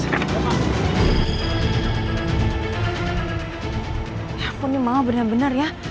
ya ampun ya mama bener bener ya